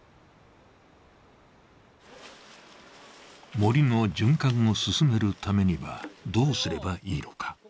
森の循環を進めるためにはどうすればいいのか。